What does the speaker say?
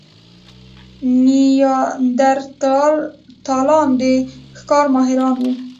نیاندرتالان د ښکار ماهران وو.